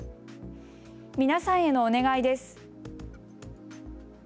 皆さんへのお願いです。